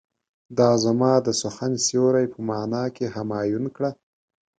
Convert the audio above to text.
دا زما د سخن سيوری په معنی کې همایون کړه.